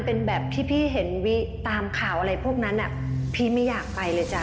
จ้ะแล้วเจอกันนะจ๊ะ